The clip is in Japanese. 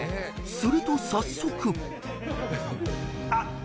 ［すると早速］あっ！